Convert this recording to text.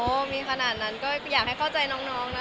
มีขนาดนั้นก็อยากให้เข้าใจน้องนะ